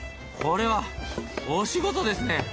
これは大仕事ですね。